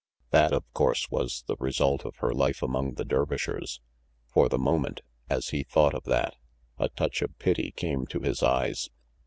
That, of course, was the result of her life among the Dervishers. For the moment, as he thought of that, a touch of pity came to his eyes.